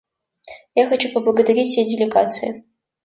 Я хочу поблагодарить все делегации.